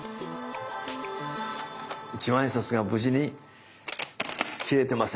一万円札が無事に切れてません！